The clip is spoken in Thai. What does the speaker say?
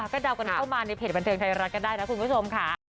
ก็เดากันเข้ามาในเพจบันเทิงไทยรัฐก็ได้นะคุณผู้ชมค่ะ